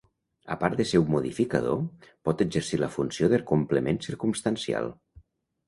A part de ser un modificador, pot exercir la funció de complement circumstancial.